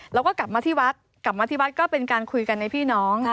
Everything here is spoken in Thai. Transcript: แล้วก็กลับมาที่วัดกลับมาที่วัดก็เป็นการคุยกันในพี่น้อง